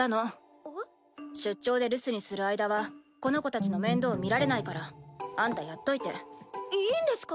出張で留守にする間はこの子たちの面倒見られないからあんたやっといていいんですか？